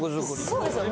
そうですね